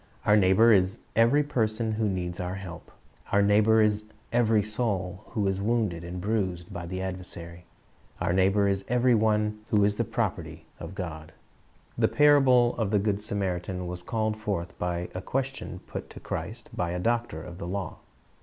Our neighbor is every person who needs our help. Our neighbor is every soul who is wounded and bruised by the adversar}^ Our neighbor is every one who is the property of God. ( 376 ) Based on Luke 10 : 25 37 "JV/i(? Is My Neighbor r' 377 The parable of the good Samaritan was called forth by a question put to Christ by a doctor of the law.